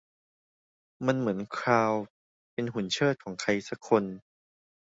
มันเหมือนคาร์ลเป็นหุ่นเชิดของใครสักคน